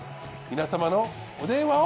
皆様のお電話を。